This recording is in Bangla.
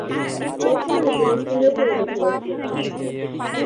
বর্তমানে তিনি সিঙ্গাপুরে বসবাস করছেন।